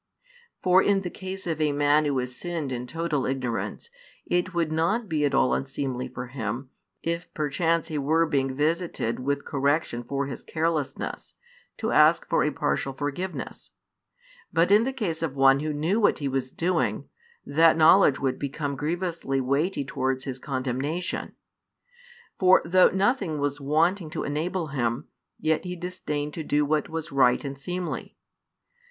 For in the case of a man who has sinned in total ignorance, it would not be at all unseemly for him, if perchance he were being visited with correction for his carelessness, to ask for a partial forgiveness: but in the case of one who knew what he was doing, that knowledge would become grievously weighty towards his condemnation. For though nothing was wanting to enable him, yet he disdained to do what was right and seemly.